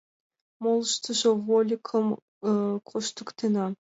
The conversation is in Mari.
Молыштыжо вольыкым коштыктена.